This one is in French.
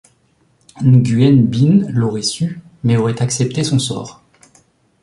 Nguyen Binh l'aurait su mais aurait accepté son sort.